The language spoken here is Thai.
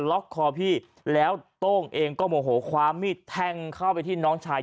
ล็อกคอพี่แล้วโต้งเองก็โมโหคว้ามีดแทงเข้าไปที่น้องชาย